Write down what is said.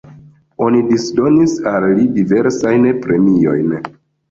Oni disdonis al li diversajn premiojn.